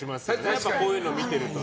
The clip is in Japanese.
やっぱこういうの見てるとね。